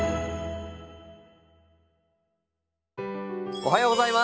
おはようございます。